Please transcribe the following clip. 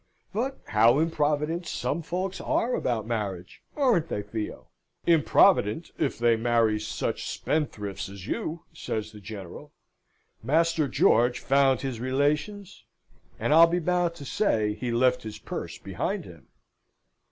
But how improvident some folks are about marriage, aren't they, Theo?" "Improvident, if they marry such spendthrifts as you," says the General. "Master George found his relations, and I'll be bound to say he left his purse behind him."